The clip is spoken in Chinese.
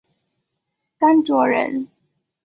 甘卓人。